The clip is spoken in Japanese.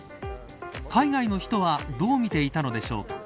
海外の人はどう見ていたのでしょうか。